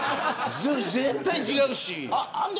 絶対違うし。